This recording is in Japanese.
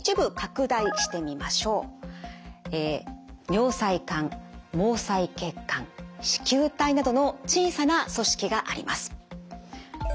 尿細管毛細血管糸球体などの小さな組織があります。